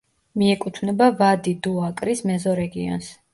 მიეკუთვნება ვადი-დუ-აკრის მეზორეგიონს.